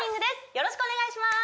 よろしくお願いします